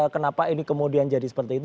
kenapa ini kemudian jadi seperti itu